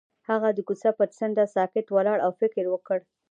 هغه د کوڅه پر څنډه ساکت ولاړ او فکر وکړ.